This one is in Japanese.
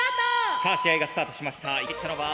さあ試合がスタートしました。